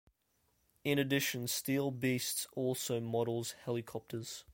In addition Steel Beasts also models helicopters.